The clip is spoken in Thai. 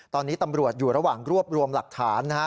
ตอนนี้ตำรวจอยู่ระหว่างรวบรวมหลักฐานนะฮะ